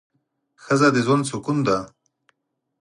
ښځه د ژوند سکون دی